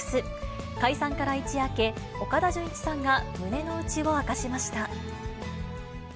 解散から一夜明け、岡田准一さんが胸の内を明かしました。